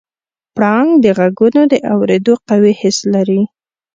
پړانګ د غږونو د اورېدو قوي حس لري.